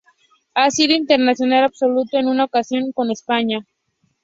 Ha sido internacional absoluto en una ocasión con España.